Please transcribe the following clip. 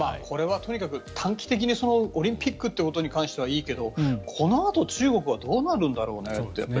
これはとにかく、短期的にオリンピックということに関してはいいけどこのあと中国はどうなるんだろうねって。